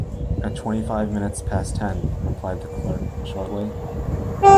"At twenty-five minutes past ten," replied the clerk shortly.